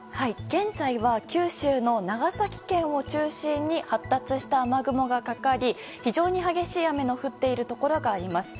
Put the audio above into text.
現在は九州の長崎県を中心に発達した雨雲がかかり非常に激しい雨が降っているところがあります。